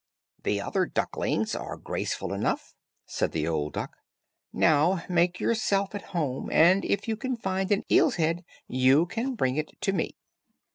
"The other ducklings are graceful enough," said the old duck. "Now make yourself at home, and if you can find an eel's head, you can bring it to me."